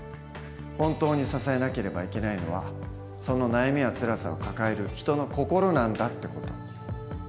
本当に支えなければいけないのはその悩みやつらさを抱える人の心なんだ」って事。